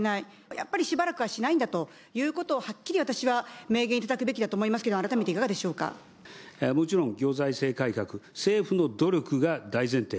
やっぱりしばらくはしないんだということを、はっきり私は明言いただくべきだと思いますけど、改めていかがでもちろん行財政改革、政府の努力が大前提。